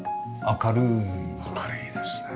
明るいですね。